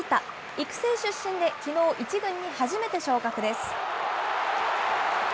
育成出身で、きのう、１軍に初めて昇格です。